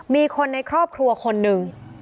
มีคนในครอบครัวคนหนึ่ง